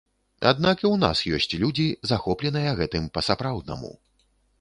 Аднак і ў нас ёсць людзі, захопленыя гэтым па-сапраўднаму.